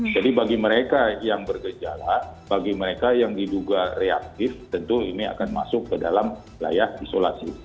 jadi bagi mereka yang bergejala bagi mereka yang diduga reaktif tentu ini akan masuk ke dalam layar isolasi